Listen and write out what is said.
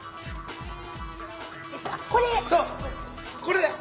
あっこれ！